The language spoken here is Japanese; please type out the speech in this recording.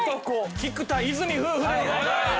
菊田・和泉夫婦でございます。